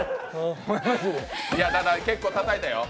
ただ結構たたいたよ。